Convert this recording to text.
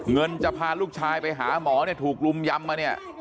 เงินจะพาลูกชายไปหาหมอเนี่ยถูกรุมยำมาเนี่ย